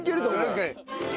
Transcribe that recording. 確かに。